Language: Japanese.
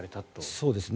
そうですね。